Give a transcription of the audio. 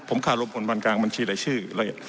ผมค่าโรงผลบันกลางบัญชีหลายชื่อ